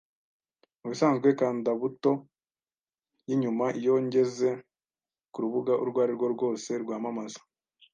mubisanzwe nkanda buto yinyuma iyo ngeze kurubuga urwo arirwo rwose rwamamaza.